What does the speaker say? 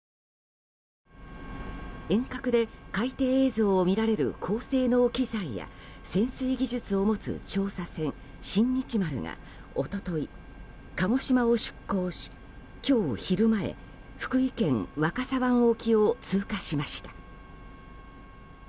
遠隔で海底映像を見られる高性能機材や潜水技術を持つ調査船「新日丸」が一昨日、鹿児島を出港し今日昼前福井県若狭湾沖を通過しました。